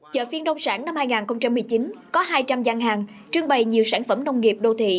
chợ phiên nông sản năm hai nghìn một mươi chín có hai trăm linh gian hàng trưng bày nhiều sản phẩm nông nghiệp đô thị